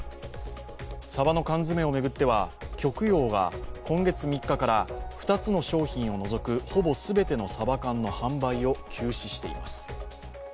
さばの缶詰を巡っては極洋が今月３日から２つの商品を除くほぼ全てのさば缶の販売を休止しています。